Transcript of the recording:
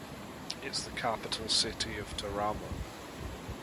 Its capital is the city of Teramo.